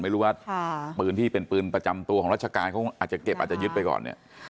ว่าปืนที่เป็นปืนประจำตัวของรัชกาลเขาอาจจะเก็บอาจจะยึดไปก่อน